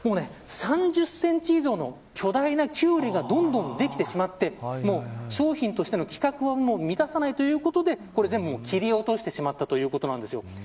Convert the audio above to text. ３０センチ以上の巨大なキュウリがどんどん出来てしまって商品としての規格を満たさないということで全部、切り落としてしまったということなんです。